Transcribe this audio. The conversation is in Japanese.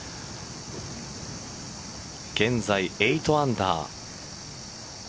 現在８アンダー。